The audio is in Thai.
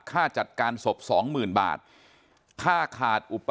ค่าจัดการศพ๒๐๐๐๐บาท